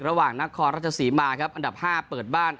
ระหว่างนครรัชศรีมาครับอันดับห้าเปิดบ้าน